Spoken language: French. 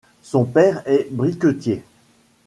Son père est briquetier.